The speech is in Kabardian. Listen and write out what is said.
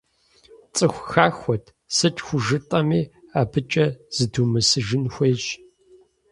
ЦӀыху хахуэт, сыт хужытӀэми, абыкӀэ зыдумысыжын хуейщ.